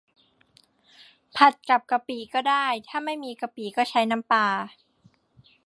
ผัดกับกะปิก็ได้ ถ้าไม่มีกะปิก็ใช้น้ำปลา